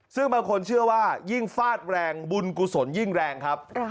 ซึ่งบางคนเชื่อว่ายิ่งฟาดแรงบุญกุศลยิ่งแรงครับ